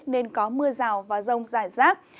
nên có mưa rào và rông rải rác